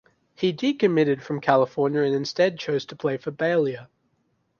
He decommitted from California and instead chose to play for Baylor.